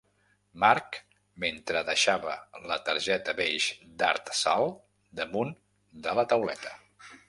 Marc mentre deixava la targeta beix d'Art-Sal damunt de la tauleta.